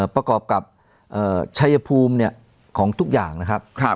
ประกอบกับเอ่อชายภูมิเนี่ยของทุกอย่างนะครับครับ